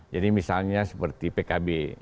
jadi misalnya seperti pkb